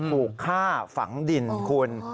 ถูกฆ่าฝังดินคุณ